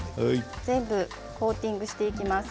全部コーティングしていきます。